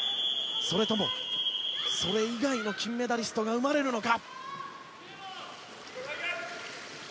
それともそれ以外の金メダリストが生まれるのか。